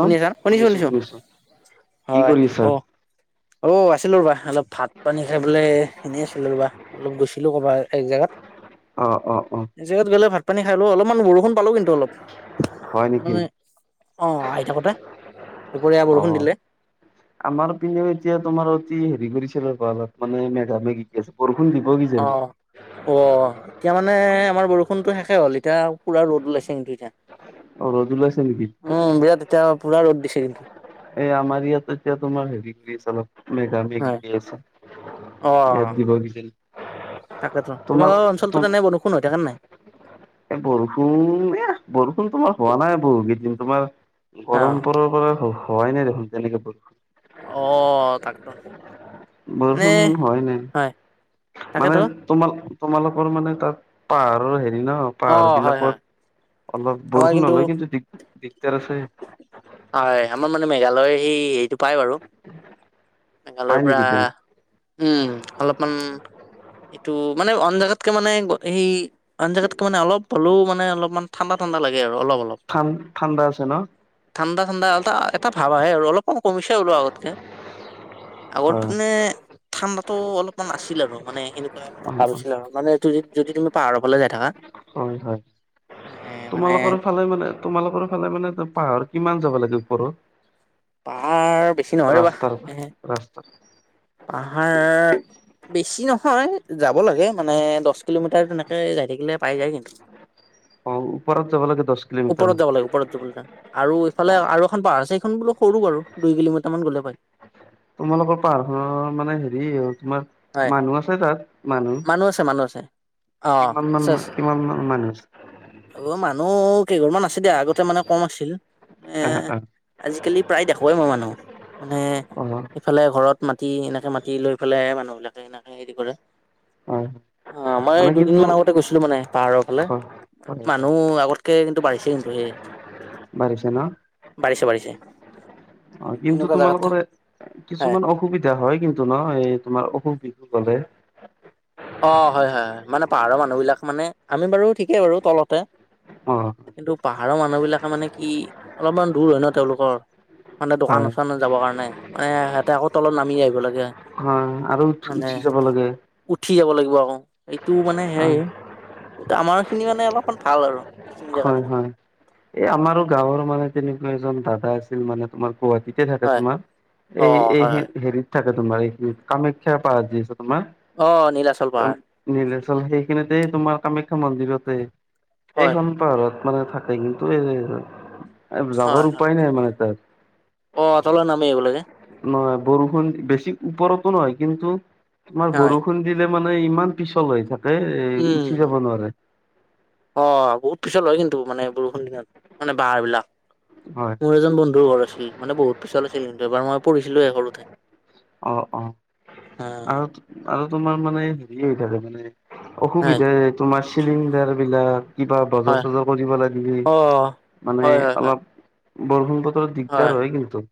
শুনি আছা শুনিছো শুনিছো কি হয় কৰি আছা অ অ আছিলো ৰ'বা অলপ ভাত পানী খাই পেলে এনে আছিলো ৰবা অলপ গৈছিলো কবা সেই জেগাত অ অ অ এক জেগাত গ'লে ভাত পানী খালো অলপমান বৰষুণ পালো কিন্তু অলপ হয় নেকি মানে অ আহি থাকোতে দুপৰীয়া অ বৰষুণ দিলে আমাৰ পিনেও এতিয়া তোমাৰ অতি হেৰি কৰিছিল অলপ মানে মেঘা মেঘি কে আচে অ অ এতিয়া মানে আমাৰ বৰষুণতো শেষ হ'ল এতিয়া পুৰা ৰ'দ উলাইছে কিন্তু এতিয়া অ ৰ'দ ওলাইছে নেকি উম বিৰাট এতিয়া পুৰা ৰদ দিছে কিন্তু এই আমাৰ ইয়াত এতিয়া তোমাৰ হেৰি কৰি আছে অলপ মেঘা মেঘি হয় কে আছে অ এয়াত দিব [unintelligible] তাকেতো তোমাৰ তোমালোকৰ তুম অঞ্চলটোত এনে বৰষুণ হৈ থাকেনে নাই এ বৰষুণ এ বৰষুণ তোমাৰ হোৱা নাই বহু কেইদিন তোমাৰ অ গৰম পৰিব পৰা হোৱাই নাই দেখোন তেনেকে বৰষুণ অ', তাক দ। বৰষুণ হোৱাই নাই। মানে তাকেতো তোমাল, তোমালোকৰ মানে তাত পাৰ। অ' হেৰি ন, অ পাহাৰ হয় হয় বিলাকত। অলপ বৰষুণ হ'লেই কিন্তু দিগ দিগদাৰ আছে। হয় আমাৰ মেঘালয়ৰ এই এইটো। পাই বাৰু। মেঘালয়ৰ পায় পৰা, নেকি তেনে উম্ অলপমান। এইটো, মানে অইন জেগাতকে মানে সেই অনজাগাতকে মানে অলপ হ'লেও, মানে অলপমান ঠাণ্ডাত। ঠাণ্ডা লাগে আৰু। অলপ অলপ ঠান, ঠাণ্ডা। আছে ন ঠাণ্ডা ঠাণ্ডা এলটা, এটা ভাব আহে আৰু অলপমান কমিছে বোলো আগতকে। হয় আগতকেনে ঠাণ্ডা। টো অলপমান আছিল আৰু মানে, সেনেকুৱা এটা অ ভাব হৈছিল আৰু মানে এইটো তুমি যদি তুমি পাহাৰৰ ফালে যাই থাকা। হয় হয়, এ মানে তোমালোকৰ ফালে মানে, তোমালোকৰ ফালে মানে পাহাৰ। কিমান যাব লাগে ওপৰত। পাহাৰ বেছি নহয় ৰাস্তাৰ ৰ'বা। এ। ৰাস্তাত পাহাৰ। বেছি নহয় যাব লাগে। মানে দহ কিলোমিটাৰ, তেনেকে যায় থাকিলে পাই যায় কিন্তু। অ ওপৰত যাব লাগে দহ কিলোমিটাৰ ওপৰত মান যাব লাগে। ওপৰত যাব লাগে আৰু অ এইফালে আৰু এখন পাহাৰ আছে। সেইখন বোলো সৰু বাৰু। দুই কিলোমিটাৰ মান গ'লে পায়। তোমালোকৰ পাহাৰ খনৰ মানে হেৰি। মা হয় মানুহ আছে তাত, মানুহ। আছে মানুহ আছে অ কিমান মান, কিমান মান মানুহ আছে? আমাৰ মানুহ। কেইঘৰমান আছে দিয়া, আগতে মানে কম আছিল, এ আহ আহ আজিকালি প্ৰায় দেখুৱেই মই মানুহ। মানে অ এইফালে এঘৰত মাটি, এনেকে মাটি লৈ পেলাই মানুহ। এনেকে এনেকে হেৰি কৰে। হয় অ' মই মানে কিন্তু দুদিনমান আগতে গৈছিলোঁ মানে, পাহাৰৰ ফালে। হয় হয় মানুহ, আগতকে কিন্তু বাঢ়িছে কিন্তু সেই। বাঢ়িছে ন বাঢ়িছে বাঢ়িছে। অ' কিন্তু এনেকুৱা জাগাত তোমালোকৰ থাকে হয় কিছুমান অসুবিধা হয় কিন্তু ন, এই তোমাৰ অসুবিধা। কি ক'লে? অ' হয় হয় হয়, মানে পাহাৰৰ মানুহ বিলাক মানে। আমি বাৰু ঠিকেই বাৰু তলতে। অ', কিন্তু পাহাৰৰ মানুহ বিলাকে মানে কি, অলপমান দূৰ হয় ন তেওঁলোকৰ। মানে দোকান - হয় চোকানে যাবৰ কাৰণে, মানে সিহঁতে আকৌ তলত নামি আহিব লাগে। হয় আৰু মানে উঠি যাব লাগে। উঠি যাব লাগিব আকৌ, এইটো মানে সেই হয় এই আমাৰ খিনি মানে অলপমান ভাল আৰু। এইখিনি জেগাত হয় হয়, এই আমাৰো গাঁৱৰ মানে তেনেকুৱা এজন দাদা আছিল, মানে তোমাৰ। গুৱাহাটীতে থাকে হয় তোমাৰ। অ এই এই হয় হয় হেৰিত থাকে, তোমাৰ এখিনি কামাখ্যা পাহাৰ যে আছে। তোমা অ নীলাচল পাহাৰ নিলে। আৰু সেইখিনিতেই তোমাৰ কামাখ্যা মন্দিৰতে। হয় সেইখন। পাহাৰত মানে থাকে। কিন্তু এই। যাবৰ হয় হয় উপায় নাই মানে তাত। অ তলত নামি আহিব লাগে নহয় বৰষুণ, বেছি ওপৰতো নহয় কিন্তু তোমাৰ হয় বৰষুণ দিলে। মানে ইমান পিছল হৈ থাকে। এ উঠি উম্, যাব নোৱাৰে অ' বহুত পিছল হয় কিন্তু মানে। বৰষুণ দিলে মানে বাহাৰ বিলাক, হয় মোৰ এজন বন্ধুৰ ঘৰ আছিল, মানে বহুত পিছল আছিল। ছিল কিন্তু এবাৰ মই পৰিছিলোৱে সৰুতে। অ', অ', হয় আৰু, আৰু তোমাৰ মানে, হেৰি হৈ থাকে মানে। হয় অসুবিধা এ, তোমাৰ চিলিণ্ডাৰ বিলাক। কিবা বজাৰ- হয় চজাৰ কৰিব লাগিলে, অ মানে হয় হয় হয় অলপ বৰষুণটোত অলপ দিগদাৰ হয় কিন্তু।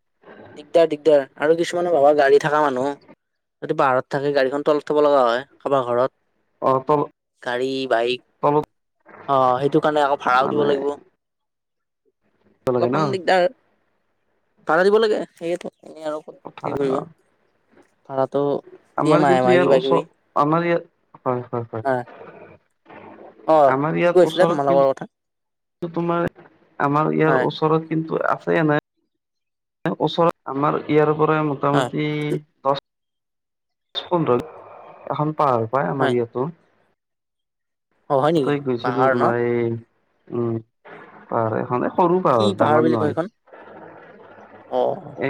দিগদাৰ, দিগদাৰ। আৰু কিছুমানৰ ভাবা গাড়ী থাকা মানুহ। যদি পাহাৰত থাকে গাড়ীখন তলত থব লগা হয়, কাবাৰ ঘৰত। অ', তল, গাড়ী বাইক তলত অ', সেইটো কাৰণে আকৌ ভাড়াও দিব মানে লাগিব। লাগে ন অলপমান দিগদাৰ। ভাড়া দিব লাগে, সেয়েত'। এনে আৰু কি কৰিব, ভাড়াটো আমাৰ দিয়ে মাহে কিন্তু মাহে ইয়াৰ কিবা ওচৰ কিবি। আমাৰ ইয়াত হয়, হয়, হয়। অ আমাৰ কি ইয়াত কৈছিলা ওচৰত কিন্ তোমালোকৰ কথা তো, তোমাৰ, আমাৰ ইয়াৰ হয় ওচৰত কিন্তু আছে এনাই। ওচৰত আমাৰ ইয়াৰ পৰা হয় মোটামুটি দছ [unintelligible] এখন পাহাৰ পায় হয় আমাৰ ইয়াতো। অ হয় নেকি তাতেই গৈছিলো পাহাৰ ন তোমাৰ এই, উ, পাহাৰ এখনে। সৰু কি পাহৰ পাহাৰ ডাঙৰ বুলি কয় নয়। এইখন অ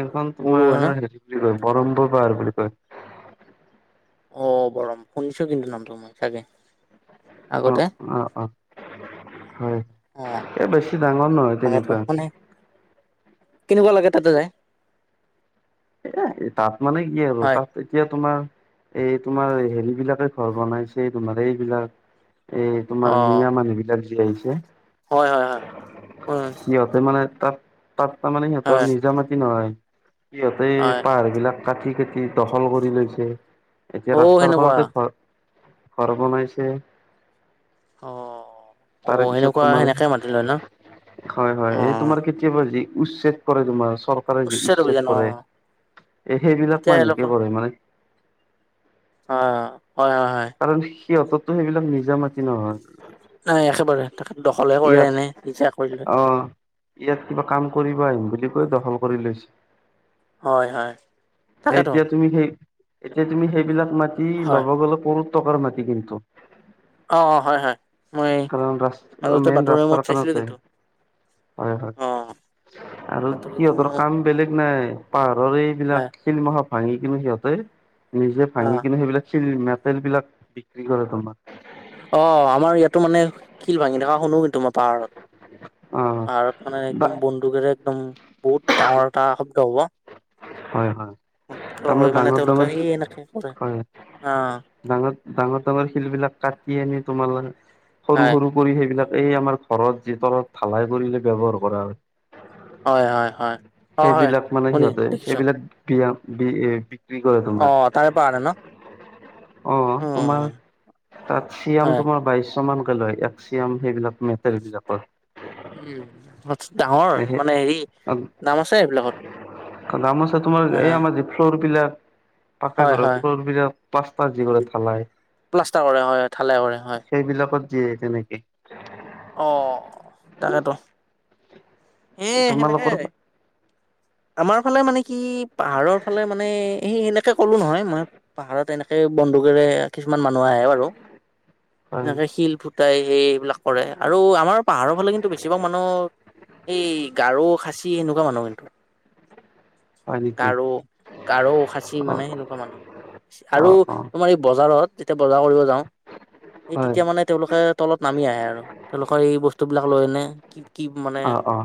এইখন সৰু তোমাৰ হয় ন হেৰি বুলি কয়। বৰম্ব পাহাৰ বুলি কয়। অ', বৰম্, শুনিছো কিন্তু নামতো মই চাগে। আগতে অ', অ', অ'। হয়, অ এ, বেছি ডাঙৰ নহয় তাকেতো তেনেকুৱা। মানে কেনেকুৱা লাগে তাতে যায়? এ, তাত মানে কি আৰু, তাত এতিয়া তোমাৰ এই তোমাৰ হেৰি বিলাকে ঘৰ বনাইছে তোমাৰ এইবিলাক। এই তোমাৰ অ মিঞা মানুহ বিলাক যি আহিছে। হয়, হয়, হয়। উ। সিহঁতে মানে তাত তাত তাৰমানে সিহঁতৰ নিজৰ মাটি নহয়। সিয়তে হয় পাহাৰ বিলাক কাটি কাটি দখল কৰি লৈছে। অ এতিয়া সেনেকুৱা ৰাস্তাৰখনতে ঘৰ, ঘৰ বনাইছে। অ'। অ তাৰে পিছত সেনেকুৱা তোমাৰ, সেনেকে মাতি লয় ন হয়, অ হয়, এই তোমাৰ কেতিয়াবা লি উচ্ছেদ কৰে তোমাৰ চৰকাৰে যি উচ্ছেদ অভিযান অ কৰে। এ, সেইবিলাক তেতিয়া এওঁলোকৰ মানুহকে কৰে মানে। অ', হয়, হয়, হয়। [unintelligible] নাই একেবাৰে, তাকে দখলে ইয়াত কৰেনে [unintelligible] অ', ইয়াত কিবা কাম কৰিব আহিম বুলি কৈ দখল কৰি লৈছে। হয় হয় তাকেতো এতিয়া তুমি সেই এতিয়া তুমি সেইবিলাক মাটি হয় ল'ব গ'লে, কৌড় টকাৰ মাটি কিন্তু অ', অ', হয়, হয়, মই কাৰণ ৰাস্ত মাজতে বাতৰুৱেমত চাইছিলো কিন্তু। কৰে অ হয়। আৰু বাতৰিটো সিয়তৰ শুনো কাম বেলেগ নাই। পাহাৰৰ হয় এইবিলাক শিলমখা ভাঙি কিনে সিহঁতে নিজে অ ভাঙি কিনে সেইবিলাক [unintelligible] মেতেল বিলাক বিক্ৰী কৰে তোমাৰ। অ', আমাৰ ইয়াতো মানে শিল ভাঙি থকা শুনো কিন্তু মই অ পাহাৰত। পাহাৰত মানে বা একদম বন্দুকেৰে একদম বহুত ডাঙৰ এটা শব্দ হব। হয়, হয়। শব্দ তাৰমানে হয় মানে ডাঙৰ তেওঁলোকে ডাঙৰ এই এনেকে কৰে। ডাঙ--ডাঙৰ ডাঙৰ শিল বিলাক কাটি আনি তোমাল সৰু হয় সৰু কৰি সেইবিলাক এই আমাৰ ঘৰত, যি তলত ঢালাই কৰিলে ব্যৱহাৰ কৰা হয়। হয়, হয়, হয়। অ হয় সেইবিলাক মানে শুনি সিহঁতে, দেখিছো সেইবিলাক বিয়া বি এ অ তাৰে পৰা আনে ন। অ তোমাৰ উম তাত চিয়াম হয় তোমাৰ বাইশ মানকে লয় এক্সিয়াম সেইবিলাক মেট বিলাকৰ। উম ডাঙৰ মানে হেৰি দাম আছে এইবিলাকত। দামছে তোমাৰ অ এই আমাৰ [unintelligible] পাকে হয় ঘৰৰ হয় ফ্লৰ বিলক প্লাষ্টাৰ যি কৰে ঢালাই প্লাষ্টাৰ কৰে হয়, ঢলাই কৰে হয়। যে তেনেকে অ তাকেতো। সেই সেনেকে তোমালোকৰ আমাৰ ফালে মানে কি পাহাৰৰ ফালে মানে, সে-সেনেকে কলো নহয় মই পাহাৰত এনেকে বন্দুকেৰে কিছুমান মানুহ আহে বাৰু, হয় এনেকে শিল ফু তাই সেই এইবিলাক কৰে। আৰু আমাৰ পাহাৰৰ ফালে কিন্তু বেছিভাগ মানুহ সেই গাৰো, খাচী এনেকুৱা মানুহ কিন্তু। হয় নেকি গাৰো, গাৰো। খাচী অ মানে সেনেকুৱা মানুহ, অ আৰু অ তোমাৰ এই বজাৰত যেতিয়া বজাৰ কৰিব যাওঁ। এই হয় তেতিয়া মানে তেওঁলোকে তলত নামি আহে আৰু, তেওঁলোকৰ এই বস্তু বিলাক লৈ এনে। কি কি মানে অ অ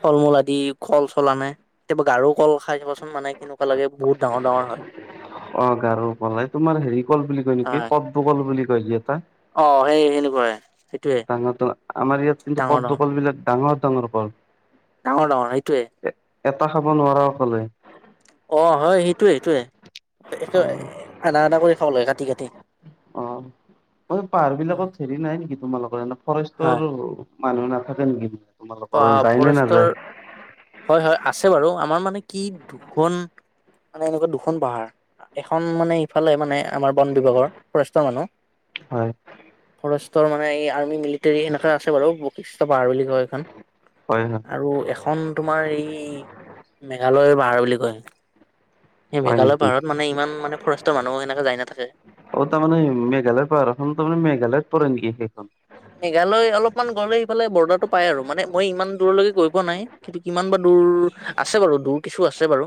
ফল মূল আদি কল-চলা আনে। কেতিয়াবা গাৰো কল খাই চাবাচোন মানে কেনেকুৱা লাগে, বহুত ডাঙৰ ডাঙৰ হয়। অ গাৰোৰ কল, এ তোমাৰ হেৰি কল বুলি কয় নেকি, হয় পদব কল বুলি কলি এটা। অ সেই সেনেকুৱাে। ডাঙৰ। আমাৰ ইয়াত কিন্তু পদদ ডাঙৰ কাল বিলাক ডাঙৰ ডাঙৰ কল। ডাঙৰ ডাঙৰ সেইটোৱে। এটা খাব নোৱাৰা অকলে। অ হয় সেইটোয়ে সেইটোয়ে একে আধা আধা কৰি খাব লগে কাটি কাটি। অ পাহাৰ বিলাকত হেৰি নাই নেকি তোমালোকৰ, এনে হয় ফৰেষ্টৰ মানুহ নাথাকে নেকি, তোমালোকৰ যায় নে ফৰেষ্টৰ নাযায়? হয় আছে বাৰু। আমাৰ মানে কি দুখন মানে এনেকুৱা দুখন পাহাৰ। এখন মানে ইফালে মানে আমাৰ বন বিভাগৰ ফৰেষ্টৰ মানুহ, হয়। ৰ মানে এই আৰ্মি মিলিটাৰী এনেকাে আছে বাৰু বিষ্ট পাহাৰ বুলি কয় এইখন। হয় হয় আৰু এখন তোমাৰ এই মেঘালয়ৰ পাহাৰ বুলি কয়। এই হয় মেঘালয় নেকি? পাহাৰত মানে ইমান মানে ফৰেষ্টৰ মানুহ এনেকে যায় নাথাকে। অ তাৰ মানে মেঘালয় পাহাৰখন তাৰ মানে মেঘালয়ত পৰে নেকি সেইখন? মেঘালয় অলপমান গ'লে ইফালে বৰ্ডাৰটো পাই আৰু, মানে মই ইমান দূৰলৈকে গৈ পোৱা নাই। কিন্তু কিমান বা দ দূৰ আছে বাৰু দূৰ কিছু আছে বাৰু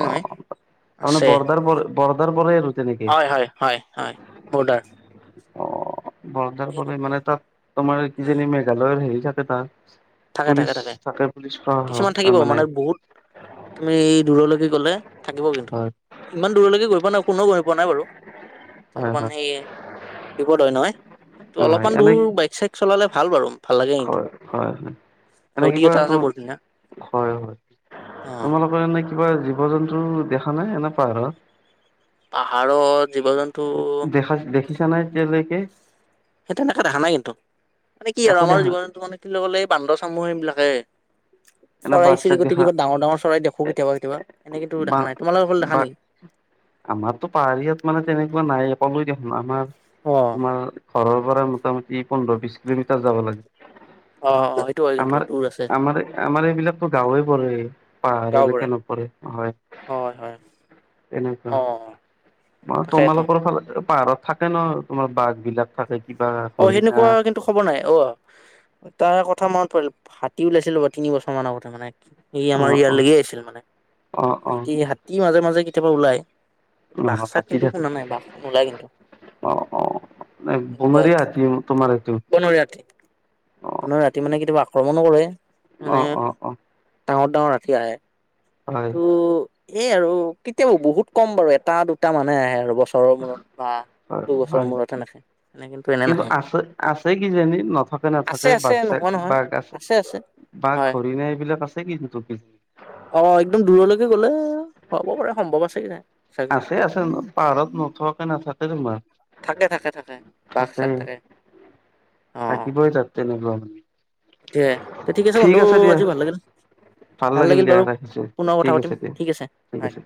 অ নহয়। তাৰমানে আছে। বৰ্ডাৰ পৰে বৰ্ডাৰ পৰে আৰু তেনেকে হয় হয় হয় হয় বৰ্ডাৰ। বৰ্ধাৰ পৰে এনেকুৱা মানে তাত তোমাৰ কিজানি মেঘালয়ৰ হেৰি থাকে তাত। থাকে-থাকে-থাকে কিছুমান থাকিব, মানে বহুত তুমি দূৰলৈ গলে থাকিব কিন্তু। হয় ইমান দূৰলৈকে গৈ পোৱা নাই কোনেও গৈ পোৱা নাই বাৰু। হয় অলপমান হয় সেই বিপদ হয় নহয়। ত হয় অলপমান এনে দূৰ বাইক-চাইক চলালে ভাল বাৰু। ভাল লাগে কিন্তু হয় হয়। এনে নদী কিবা এটা আছে তোৰ, বৰ ধুনীয়া হয় হয় অ তোমালোকৰ এনে কিবা জীৱ-জন্তু দেখা নাই এনে পাহাৰত। পাহাৰত জীৱ-জন্তু দেখা-দেখিছা নাই এতিয়া লৈকে? সেই তেনেকা দেখা নাই কিন্তু। মানে কি আৰু একো আমাৰ দেখা জীৱ-জন্তু মানে [unintelligible] বান্দৰ-চান্দৰ এইবিলাক [inaudible] এনে বাঘ চাগ চৰাই-চিৰিট দেখা কিবা ডাঙৰ ডাঙৰ চৰাই দেখো কেতিয়াবা কেতিয়াবা, এনে কিন্তু বা দেখা নাই। তোমালোক ফালে দেখা বা নেকি? আমাৰতো পাহাৰ ইয়াত মানে তেনেকুৱা নাই কলোৱে দেখোন আমাৰ অ তোমাৰ ঘৰৰ পৰাই মোটামুটি পোন্ধৰ বিশ কিলোমিটাৰ যাব লাগে অ অ সেইটো হয় কিন্তু দূৰ আছে মানে এইবিলাকো গাঁৱে পৰে পাহাৰ গাঁও এলেকা পৰে নপৰে হয় হয় হয় তেনেকুৱা অ ম তাকেইতো তোমালোকৰ ফালে পাহাৰত থাকে ন তোমাৰ বাঘ বিলাক থাকে কিবা অ হৰিণা সেনেকুৱা কিন্তু খবৰ নাই অ তাৰ ক কথা মনত পৰিল হাতী ওলাইছিল ৰবা তিনি বছৰমান আগতে মানে ই অ আমাৰ ইয়াৰ অ লাগি আছিল মানে অ অ হাতী হাতী মাজে মাজে কেতিয়াবা ওলাই অ বাঘ চাগ হাতী কিন্তু থাকে শুনা নাই বাঘ নোলায় কিন্তু অ অ এনেকুৱাই বনৰীয়া আ তোমাৰ এইটো অ মানে ৰাতি মানে কেতিয়াবা আক্ৰমণো কৰে অ মানে অ অ ডাঙৰ ডাঙৰ হাতী আহে হয় ত' এই আৰু কেতিয়াবা বহুত কম বাৰু এটা দুটা মানহে আহে আৰু বছৰৰ মূৰত বা হয় দুবছৰৰ হয় মূৰতহে সেনেকে তেনে কিন্তু এনে নাহে আছে আছে কিজানি নথকা আছে নাথাকে আছে বাঘ চাক নহয় অঁ নহয় বাঘ আছে আছে বাঘ হয় হৰিণা এইবিলাক আছে কিন্তু অ একদম দূৰলৈকে গলে হব পাৰে সম্ভৱ আছে কি নাই চাগে আছে আছে পাহাৰত নথকাকৈ নাথাকে তোমাৰ থাকে থাকে থাকে বাঘ চাগ থাকেই থাকে থাকিবই তাত তেনেকুৱা মানে তিয়াই তে ঠিক আছে বন্ধু আজি ভাল লাগিল ভাল লাগিল দিয়া বাৰু ৰাখিছো পুনৰ ঠিক কথা পাতিম আছে দিয়া ঠিক আছে ঠিক হয় আছে